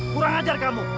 kurang ajar kamu